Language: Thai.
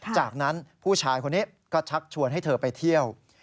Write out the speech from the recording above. จากนั้นผู้ชายคนนี้ก็ชักชวนให้เธอไปเที่ยว